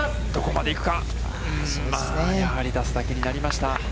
まあ、やはり出すだけになりました。